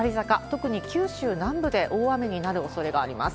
特に九州南部で大雨になるおそれがあります。